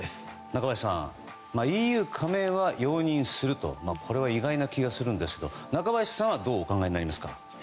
中林さん、ＥＵ加盟は容認すると意外な気がするんですが中林さんはどうお考えですか。